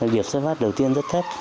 điều xét phát đầu tiên rất thích